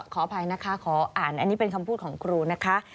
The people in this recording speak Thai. ขออภัยนะคะขออ่านอันนี้เป็นคำพูดของครูนะคะ